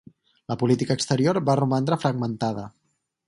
La política exterior va romandre fragmentada.